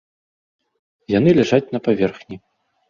Яны ляжаць на паверхні.